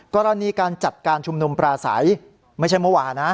กรณีการจัดการชุมนุมปลาใสไม่ใช่เมื่อวานนะ